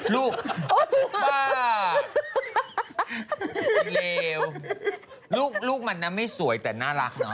ลูกบ้าดีเลวลูกมันนะไม่สวยแต่น่ารักเนาะ